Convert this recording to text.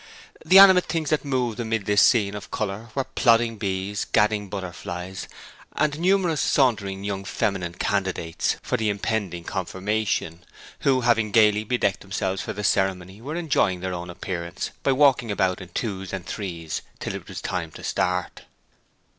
The animate things that moved amid this scene of colour were plodding bees, gadding butterflies, and numerous sauntering young feminine candidates for the impending confirmation, who, having gaily bedecked themselves for the ceremony, were enjoying their own appearance by walking about in twos and threes till it was time to start.